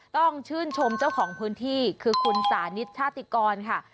ต้องชื่นชมเจ้าของพื้นที่คือคุณสานิทชาติติกรค่ะ